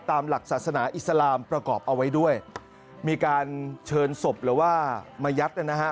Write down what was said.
ตามหลักศาสนาอิสลามประกอบเอาไว้ด้วยมีการเชิญศพหรือว่ามายัดนะฮะ